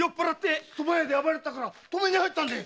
そば屋で暴れたから止めに入ったんで。